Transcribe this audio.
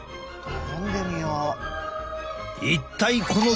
飲んでみよう。